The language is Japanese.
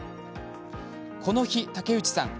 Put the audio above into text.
この日、竹内さん